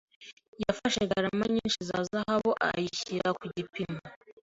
Yafashe garama nyinshi za zahabu ayishyira ku gipimo.